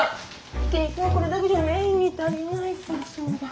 ひき肉がこれだけじゃメインに足りないからそうだ